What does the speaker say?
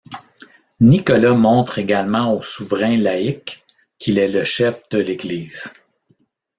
Nicolas montre également aux souverains laïques qu'il est le chef de l’Église.